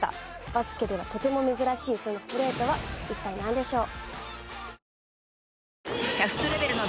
バスケではとても珍しいそのプレーとは一体なんでしょう？